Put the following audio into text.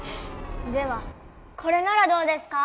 ではこれならどうですか？